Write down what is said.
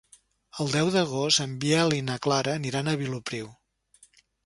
El deu d'agost en Biel i na Clara aniran a Vilopriu.